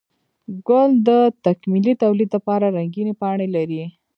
گل د تکميلي توليد لپاره رنګينې پاڼې لري